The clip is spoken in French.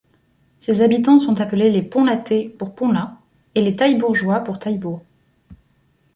Ses habitants sont appelés les Ponlatais pour Ponlat et les Taillebourgeois pour Taillebourg.